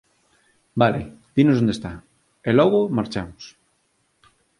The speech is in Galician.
Vale. Dinos onde está. E logo marchamos.